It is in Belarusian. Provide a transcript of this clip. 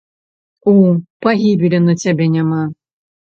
У, пагібелі на цябе няма.